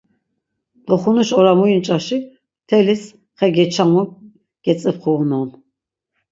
Doxunuş ora muyinç̆aşi ptelis xe geçamu, getzipxu unon.